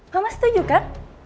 mama setuju kan